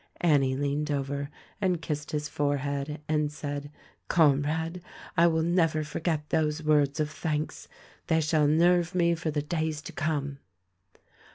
Annie leaned over and kissed his forehead and said : "Comrade, I will never forget those words of thanks. They shall nerve me for the days to come."